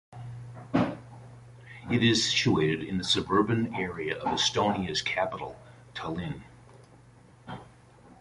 It is situated in the suburban area of Estonia's capital, Tallinn.